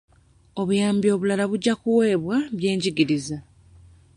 Obuyambi obulala bujja kuweebwa byenjigiriza.